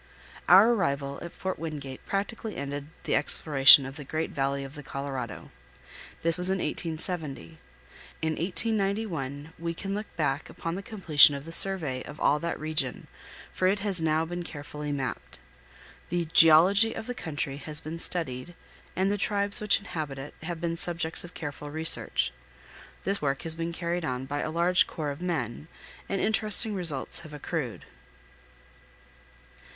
Our arrival at Fort Wingate practically ended the exploration of the great valley of the Colorado. This was in 1870. In 1891 we can look back upon the completion of the survey of all of that region, for it has now been carefully mapped. The geology of the country has been studied, and the tribes which inhabit it have been subjects of careful research. This work has been carried on by a large corps of men, and interesting results have accrued.